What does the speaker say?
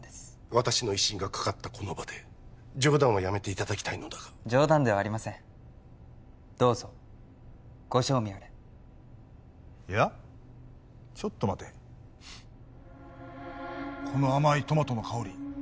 私の威信がかかったこの場で冗談はやめていただきたいのだが冗談ではありませんどうぞご賞味あれいやちょっと待てこの甘いトマトの香り